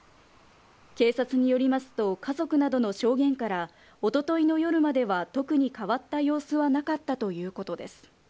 警察によりますと、家族などの証言から、おとといの夜までは特に変わった様子はなかったということです。